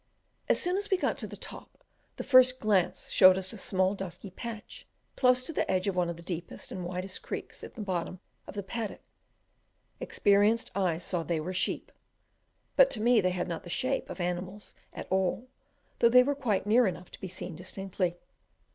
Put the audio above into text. As soon as we got to the top the first glance showed us a small dusky patch close to the edge of one of the deepest and widest creeks at the bottom of the pad dock; experienced eyes saw they were sheep, but to me they had not the shape of animals at all, though they were quite near enough to be seen distinctly.